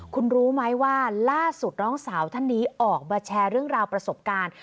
คุณรู้ไหมว่าล่าสุดน้องสาวท่านนี้ออกมาแชร์เรื่องราวประสบการณ์